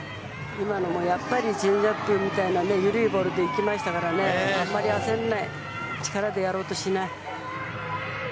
今のもやっぱり、緩いボールでいきましたからね、あんまり焦んない、力でやろうとしない。